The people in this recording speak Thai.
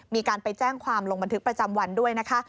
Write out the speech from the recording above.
มีการไปแจ้งความลงบันทึกประจำวันด้วยนะคะ